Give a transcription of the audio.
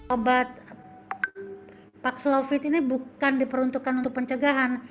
obat paxlovid ini bukan diperuntukkan untuk pencegahan